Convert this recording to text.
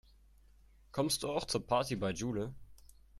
Kommst du auch zur Party bei Jule?